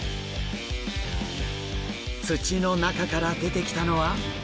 土の中から出てきたのは。